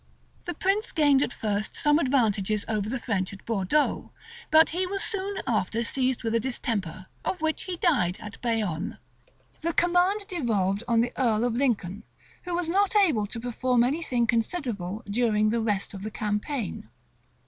That prince gained at first some advantages over the French at Bordeaux: but he was soon after seized with a distemper, of which he died at Bayonne. The command devolved on the earl of Lincoln, who was not able to perform any thing considerable during the rest of the campaign.